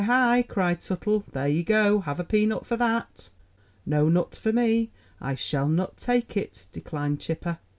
Hi!" cried Tuttle. "There you go! Have a peanut for that." "No, nut for me; I shell nut take it," declined Chipper.